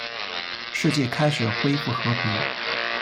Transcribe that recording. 世界开始恢复和平。